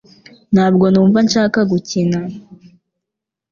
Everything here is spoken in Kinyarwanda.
Ntabwo numva nshaka gukina